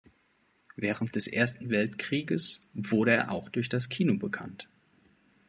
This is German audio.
Während des Ersten Weltkrieges wurde er auch durch das Kino bekannt.